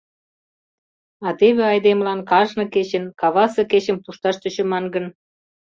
А теве айдемылан кажне кечын кавасе кечым пушташ тӧчыман гын?